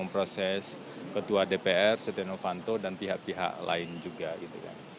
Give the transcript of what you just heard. proses ketua dpr setia novanto dan pihak pihak lain juga gitu kan